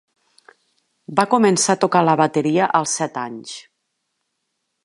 Va començar a tocar la bateria als set anys.